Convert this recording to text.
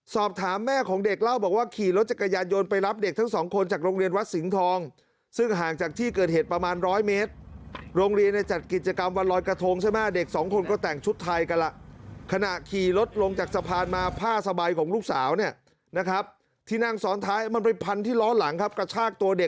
สอบถามแม่ของเด็กเล่าบอกว่าขี่รถจักรยานยนต์ไปรับเด็กทั้งสองคนจากโรงเรียนวัดสิงห์ทองซึ่งห่างจากที่เกิดเหตุประมาณร้อยเมตรโรงเรียนในจัดกิจกรรมวันรอยกระทงใช่ไหมเด็กสองคนก็แต่งชุดไทยกันล่ะขณะขี่รถลงจากสะพานมาผ้าสบายของลูกสาวเนี่ยนะครับที่นั่งซ้อนท้ายมันไปพันที่ล้อหลังครับกระชากตัวเด็ก